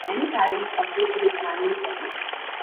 Many parents object to this annual shuffle.